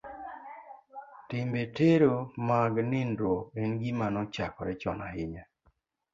Timbe tero mag nindruok en gima nochakore chon ahinya.